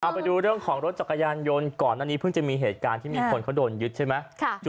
ไปดูเรื่องของรถจักรยานยนต์ก่อนอันนี้เพิ่งจะมีเหตุการณ์ที่มีคนเขาโดนยึดใช่ไหม